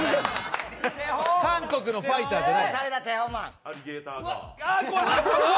韓国のファイターじゃない。